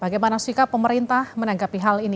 bagaimana sikap pemerintah menanggapi hal ini